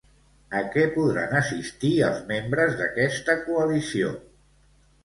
A què podran assistir els membres d'aquesta coalició?